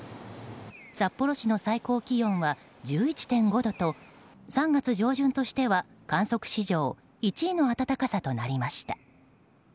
札幌市の最高気温は１１．５度と３月上旬としては観測史上１位の暖かさとなりました。